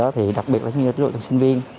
thì đặc biệt là như là đối tượng sinh viên